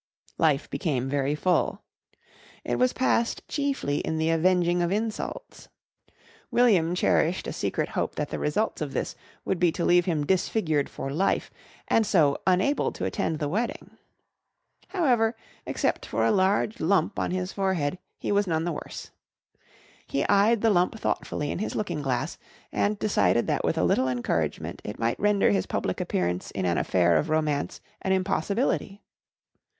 Life became very full. It was passed chiefly in the avenging of insults. William cherished a secret hope that the result of this would be to leave him disfigured for life and so unable to attend the wedding. However, except for a large lump on his forehead, he was none the worse. He eyed the lump thoughtfully in his looking glass and decided that with a little encouragement it might render his public appearance in an affair of romance an impossibility.